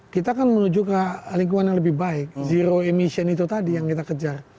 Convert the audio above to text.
kita kan menuju ke lingkungan yang lebih baik zero emission itu tadi yang kita kejar